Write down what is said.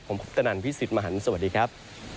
ผมคุปตนันพี่สิทธิ์มหันฯสวัสดีครับ